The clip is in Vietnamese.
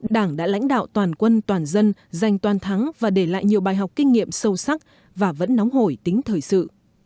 đảng đã lãnh đạo toàn quân toàn dân giành toàn thắng và để lại nhiều bài học kinh nghiệm sâu sắc và vẫn nóng hổi tính thời sự